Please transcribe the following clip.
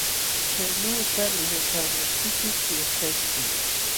Chaynuyta limapaamaptiyki kuyaśhaykim.